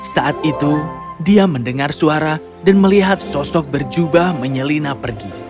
saat itu dia mendengar suara dan melihat sosok berjubah menyelina pergi